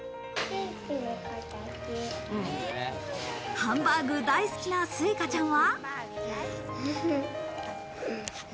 ハンバーグ大好きな、すいかちゃんは。